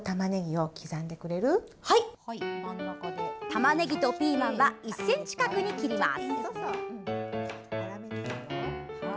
たまねぎとピーマンは１ｃｍ角に切ります。